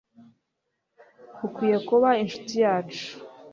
ukwiye kuba incuti yacu